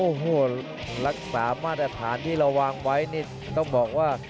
โอ้โหรักษามาตรฐานที่เราวางไว้นี่ต้องบอกว่า